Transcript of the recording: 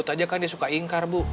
dia kan suka ingkar bu